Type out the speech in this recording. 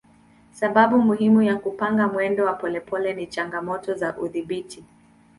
Sababu muhimu ya kupanga mwendo wa polepole ni changamoto za udhibiti.